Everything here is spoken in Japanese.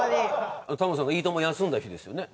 タモリさんが『いいとも！』休んだ日ですよね？